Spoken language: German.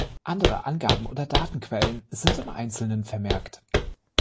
Andere Angaben oder Datenquellen sind im Einzelnen vermerkt.